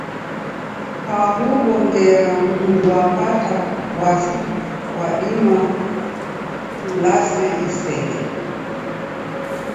Kwahuwo ngera mndu wapata wasi wadima ulase iseghe